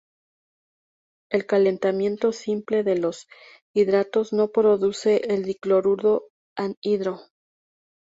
El calentamiento simple de los hidratos no produce el dicloruro anhidro.